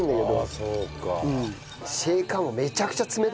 そうか。